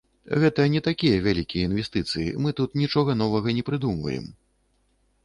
Гэта не такія вялікія інвестыцыі, мы тут нічога новага не прыдумваем.